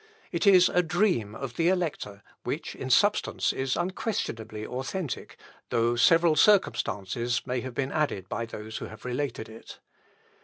It is a dream of the Elector, which in substance is unquestionably authentic, though several circumstances may have been added by those who have related it.